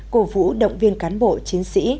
cổ vũ động viên cán bộ chiến sĩ